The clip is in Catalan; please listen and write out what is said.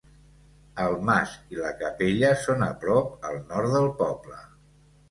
El mas i la capella són a prop al nord del poble.